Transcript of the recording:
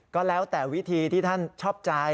ก็แล้วแต่วิธีที่ท่านชอบใจ